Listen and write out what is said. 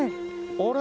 あれ？